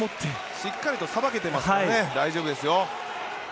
しっかりとさばけていますので大丈夫ですよ。